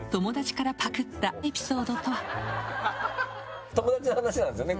俳優友達の話なんですよね？